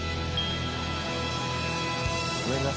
ごめんなさい。